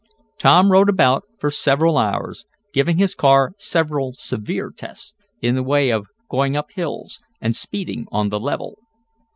Tom rode about for several hours, giving his car several severe tests in the way of going up hills, and speeding on the level.